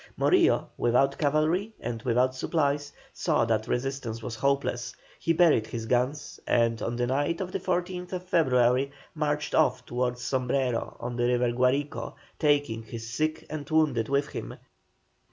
Morillo, without cavalry and without supplies, saw that resistance was hopeless; he buried his guns, and on the night of the 14th February marched off towards Sombrero on the river Guarico, taking his sick and wounded with him.